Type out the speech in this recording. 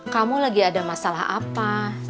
kamu lagi ada masalah apa